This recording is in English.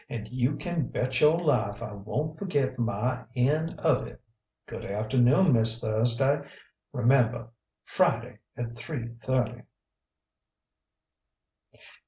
"And you can bet your life I won't forget my end of it!... Good afternoon, Miss Thursday. Remember Friday at three thirty...."